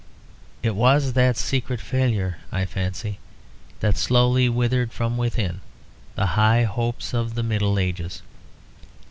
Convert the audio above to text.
It was that secret of failure, I fancy, that slowly withered from within the high hopes of the Middle Ages.